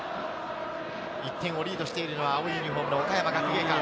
１点をリードしているのは青いユニホームの岡山学芸館。